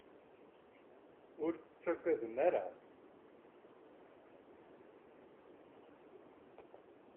Ur k-ttagaden ara.